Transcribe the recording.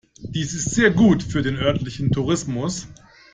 Dies ist sehr gut für den örtlichen Tourismus.